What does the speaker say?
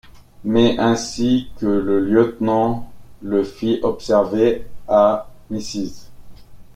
Mais, ainsi que le lieutenant le fit observer à Mrs.